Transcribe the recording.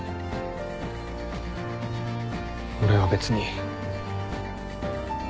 俺は別に。